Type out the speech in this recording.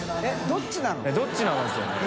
どっちなの？ですよね。